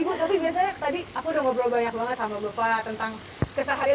ibu tapi biasanya tadi aku udah ngobrol banyak banget sama bapak tentang keseharian